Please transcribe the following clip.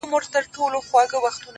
داسي په ماښام سترگي راواړوه؛